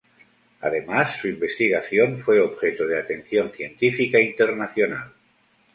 Además, su investigación fue objeto de atención científica internacional.